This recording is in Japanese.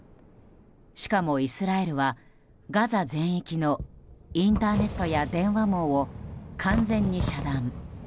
しかも、イスラエルはガザ全域のインターネットや電話網を完全に遮断。